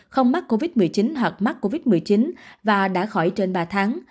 không mắc covid một mươi chín hoặc mắc covid một mươi chín và đã khỏi trên ba tháng